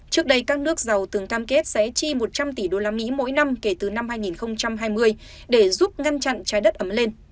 trước đây các nước giàu từng cam kết sẽ chi một trăm linh tỷ usd mỗi năm kể từ năm hai nghìn hai mươi để giúp ngăn chặn trái đất ấm lên